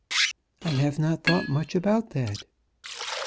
"I have not thought much about that."